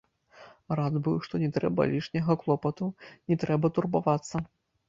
Рад быў, што не трэба лішняга клопату, не трэба турбавацца.